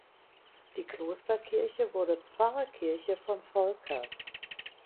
Die Klosterkirche wurde Pfarrkirche von Volkers.